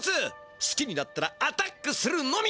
すきになったらアタックするのみ！